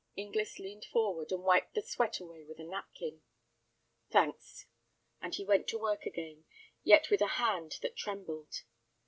Inglis leaned forward, and wiped the sweat away with a napkin. "Thanks," and he went to work again, yet with a hand that trembled.